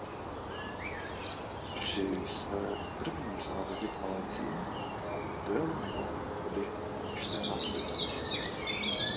Při svém prvním závodě v Malajsii dojel mimo body na čtrnáctém místě.